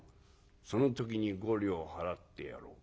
「その時に５両払ってやろう。